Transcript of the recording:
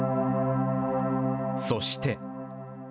そして。